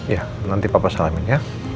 ya nanti papa salamin ya